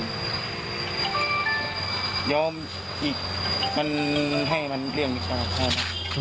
เดี๋ยวอีกมันให้มันเรียกมีความความความ